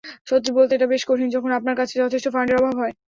সত্যি বলতে, এটা বেশ কঠিন যখন আপনার কাছে যথেষ্ট ফান্ডের অভাব হয়।